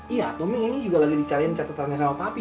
iya tuh ini juga lagi dicariin catetannya sama papi